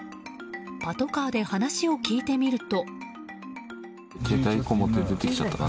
パトカーで話を聞いてみると。